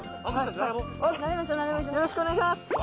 並ぼうよろしくお願いします